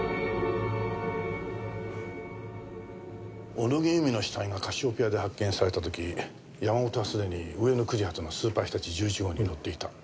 小野木由美の死体がカシオペアで発見された時山本はすでに上野９時発のスーパーひたち１１号に乗っていた。